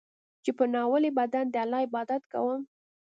چې په ناولي بدن د الله عبادت کوم.